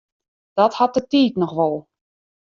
Dat hat de tiid noch wol.